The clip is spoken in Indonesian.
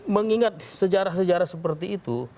mengingat sejarah sejarah seperti itu